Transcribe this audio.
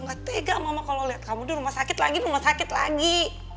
gak tega mama kalau lihat kamu di rumah sakit lagi rumah sakit lagi